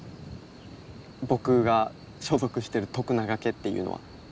僕が所属してる徳永家っていうのは。